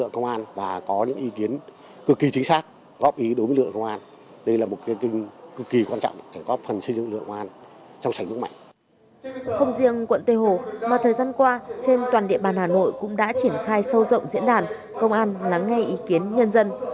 không riêng quận tây hồ mà thời gian qua trên toàn địa bàn hà nội cũng đã triển khai sâu rộng diễn đàn công an lắng nghe ý kiến nhân dân